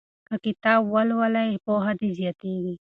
که کتاب ولولې پوهه دې زیاتیږي.